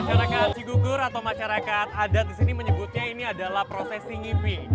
masyarakat sigugur atau masyarakat adat disini menyebutnya ini adalah prosesi ngibing